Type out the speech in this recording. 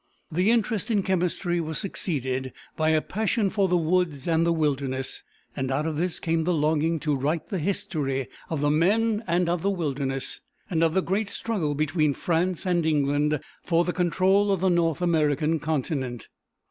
The interest in chemistry was succeeded by a passion for the woods and the wilderness, and out of this came the longing to write the history of the men of the wilderness, and of the great struggle between France and England for the control of the North American continent.